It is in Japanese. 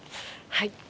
はい。